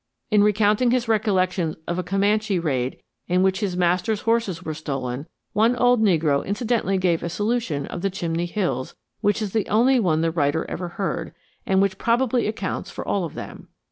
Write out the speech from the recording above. In recounting his recollections of a Comanche raid in which his master's horses were stolen, one old negro incidentally gave a solution of the Chimney Hills which is the only one the writer ever heard, and which probably accounts for all of them.